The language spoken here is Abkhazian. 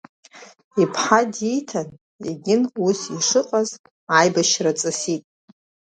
Иԥҳа дииҭан, егьин ус ишыҟаз аибашьра ҵысит.